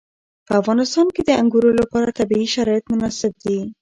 په افغانستان کې د انګورو لپاره طبیعي شرایط مناسب دي.